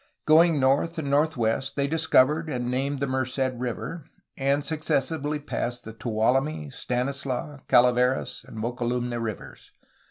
Going north and northwest they discovered and named the Merced River, and successively passed the Tuolumne, Stanislaus, Calaveras, and Mokelumne rivers.